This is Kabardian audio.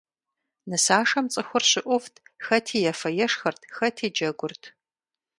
Нысашэм цӀыхур щыӀувт, хэти ефэ-ешхэрт, хэти джэгурт.